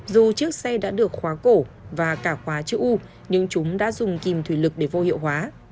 dù chiếc xe đã được khóa cổ và cả khóa chữ u nhưng chúng đã dùng kìm thủy lực để vô hiệu hóa